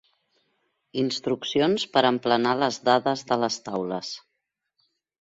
Instruccions per emplenar les dades de les taules.